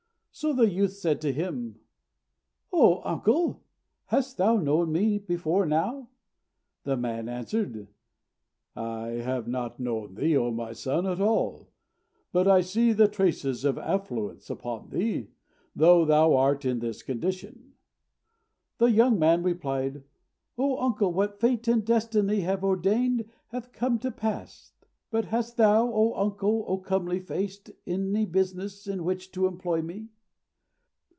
So the youth said to him, "O uncle, hast thou known me before now?" The man answered him, "I have not known thee, O my son, at all; but I see the traces of affluence upon thee, though thou art in this condition." The young man replied, "O uncle, what fate and destiny have ordained hath come to pass. But hast thou, O uncle, O comely faced, any business in which to employ me?"